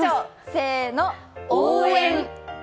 せーの、応援。